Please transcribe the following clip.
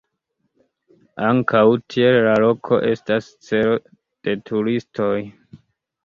Ankaŭ tiel la loko estas celo de turistoj.